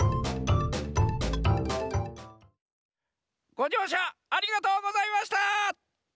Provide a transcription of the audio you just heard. ごじょうしゃありがとうございました！